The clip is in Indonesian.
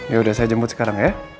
yaudah saya jemput sekarang ya